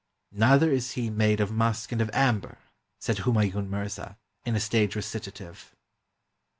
"Neither is he made of musk and of amber!" said Humayun Mirza, in a stage recitative.